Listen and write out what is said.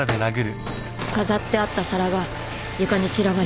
飾ってあった皿が床に散らばりました。